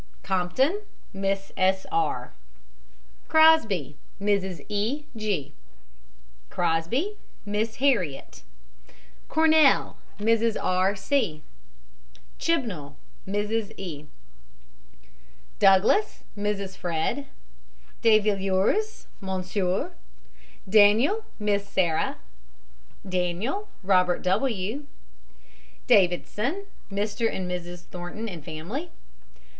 COMPTON, MISS S. R. CROSBY, MRS. E. G. CROSBY, MISS HARRIET. CORNELL, MRS. R. C. CHIBNALL, MRS. E. DOUGLAS, MRS. FRED. DE VILLIERS, MME. DANIEL, MISS SARAH. DANIEL, ROBERT W. DAVIDSON, MR. AND MRS. THORNTON, and family.